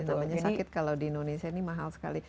namanya sakit kalau di indonesia ini mahal sekali